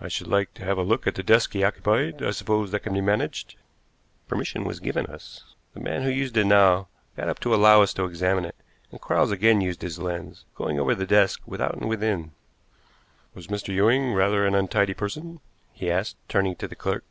"I should like to have a look at the desk he occupied. I suppose that can be managed." Permission was given us. The man who used it now got up to allow us to examine it, and Quarles again used his lens, going over the desk without and within. "Was Mr. Ewing rather an untidy person?" he asked, turning to the clerk.